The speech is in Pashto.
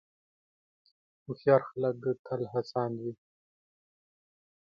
هوښیار خلک تل هڅاند وي.